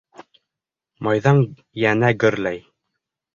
Майҙан йәнә гөрләй